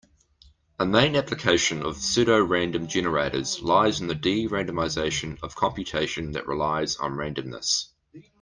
A main application of pseudorandom generators lies in the de-randomization of computation that relies on randomness.